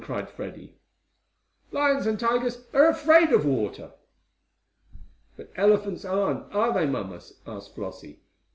cried Freddie. "Lions and tigers are afraid of water." "But elephants aren't, are they, mamma?" asked Flossie.